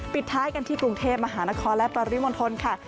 ปิดท้ายกันที่กรุงเทพมหานครและปริมณฑลค่ะ